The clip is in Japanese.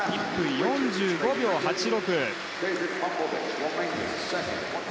１分４５秒８６。